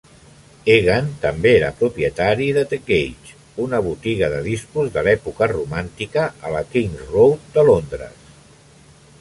Egan també era propietari de The Cage, una botiga de discos de l'època romàntica a la King's Road de Londres.